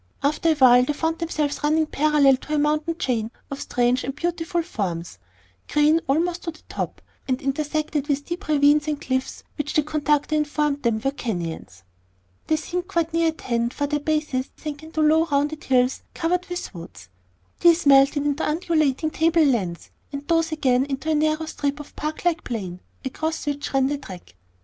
After a while they found themselves running parallel to a mountain chain of strange and beautiful forms, green almost to the top, and intersected with deep ravines and cliffs which the conductor informed them were "canyons." They seemed quite near at hand, for their bases sank into low rounded hills covered with woods, these melted into undulating table lands, and those again into a narrow strip of park like plain across which ran the track.